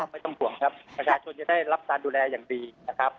ไม่ต้องห่วงครับประชาชนจะได้รับการดูแลอย่างดีนะครับ